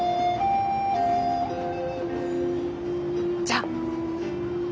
じゃあ。